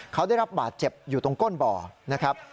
เขาได้รับบาดเจ็บอยู่ตรงก้นบ่อนะครับ